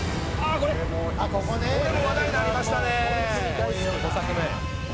「これも話題になりましたね」